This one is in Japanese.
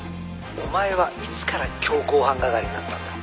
「お前はいつから強行犯係になったんだ？」